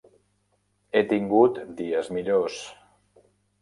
He tingut dies millors